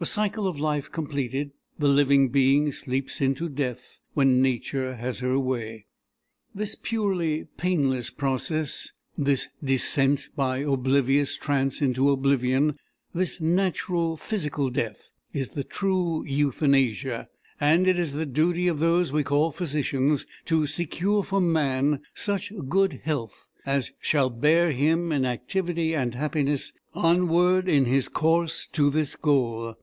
The cycle of life completed, the living being sleeps into death when Nature has her way. This purely painless process, this descent by oblivious trance into oblivion, this natural physical death, is the true Euthanasia; and it is the duty of those we call physicians to secure for man such good health as shall bear him in activity and happiness onward in his course to this goal.